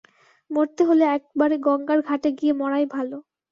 মরতে হলে একবারে গঙ্গার ঘাটে গিয়ে মরাই ভালো।